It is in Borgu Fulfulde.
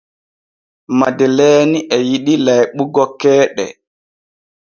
Madeleeni e yiɗi layɓugo keeɗe.